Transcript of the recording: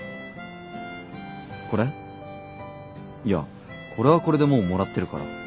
いやこれはこれでもうもらってるから。